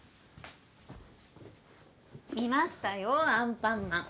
見ましたよ「アンパンマン」。